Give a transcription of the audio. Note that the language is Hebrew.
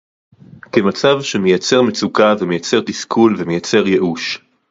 כמצב שמייצר מצוקה ומייצר תסכול ומייצר יאוש